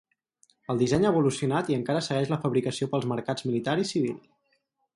El disseny ha evolucionat i encara segueix la fabricació pels mercats militar i civil.